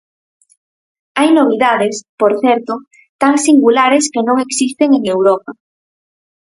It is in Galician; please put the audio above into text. Hai novidades, por certo, tan singulares que non existen en Europa.